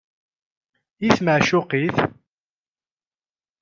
I tmeɛcuq-it.